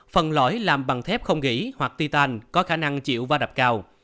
phần lõi làm bằng thép không gỉ hoặc titan có khả năng chịu va đập cao